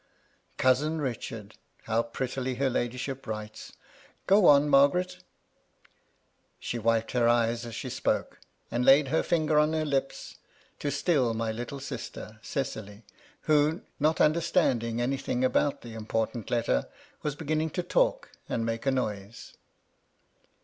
Cousin Bichard, how prettily her ladyship writes ! Go on, Margaret !" She wiped her eyes as she spoke : and laid her finger on her lips, to still my little sister, Cecily, who, not understanding anything MY LADY LUDLOW. 17 about the important letter, was beginning to talk and make a noise.